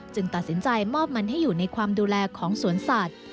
ตัดสินใจมอบมันให้อยู่ในความดูแลของสวนสัตว์